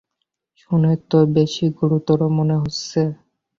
শুনে তো বেশি গুরুতর মনে হচ্ছে।